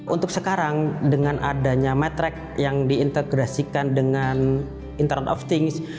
untuk sekarang dengan adanya matrek yang diintegrasikan dengan internet of things